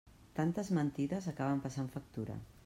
Tantes mentides acaben passant factura.